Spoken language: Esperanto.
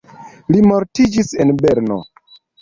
Li mortiĝis en Berno.